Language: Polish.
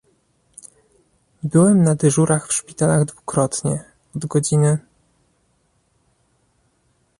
Byłem na dyżurach w szpitalach dwukrotnie, od godz